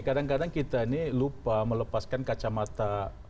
kadang kadang kita ini lupa melepaskan kacamata